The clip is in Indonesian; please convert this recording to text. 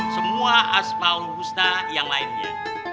semua aspal husna yang lainnya